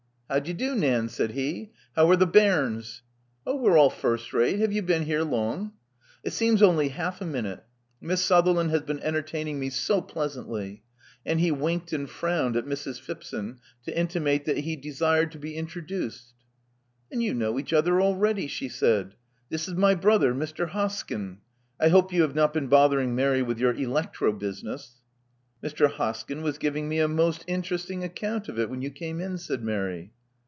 " Howd'ye do, Nan?" said he. How are the bairns?" Oh, we're all first rate. Have you been here long?" It seems only half a minute. Miss Sutherland has been entertaining me so pleasantly." And he winked and frowned at Mrs. Phipson, to intimate that he desired to be introduced. Then you know each other already," she said. This is my brother, Mr. Hoskyn. I hope you have not been bothering Mary with your electro business." Mr. Hoskyn was giving me a most interesting account of it when you came in," said Mary.